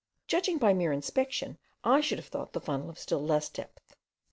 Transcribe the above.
Judging by mere inspection, I should have thought the funnel of still less depth.